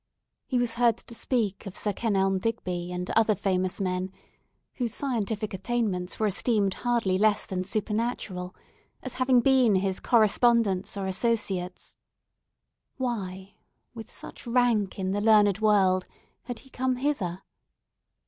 He was heard to speak of Sir Kenelm Digby and other famous men—whose scientific attainments were esteemed hardly less than supernatural—as having been his correspondents or associates. Why, with such rank in the learned world, had he come hither?